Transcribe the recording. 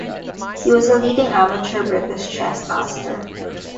He was a leading amateur British chess master.